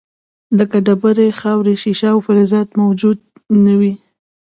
لکه ډبرې، خاورې، شیشه او فلزات موجود نه وي.